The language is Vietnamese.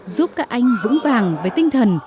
giúp các anh vững vàng với tinh thần